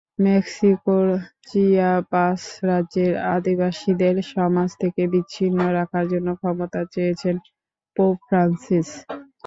মেক্সিকোর চিয়াপাস রাজ্যের আদিবাসীদের সমাজ থেকে বিচ্ছিন্ন রাখার জন্য ক্ষমা চেয়েছেন পোপ ফ্রান্সিস।